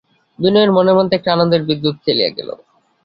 বিনয়ের মনের মধ্যে একটা আনন্দের বিদ্যুৎ খেলিয়া গেল।